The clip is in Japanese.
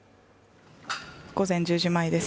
午前１０時前です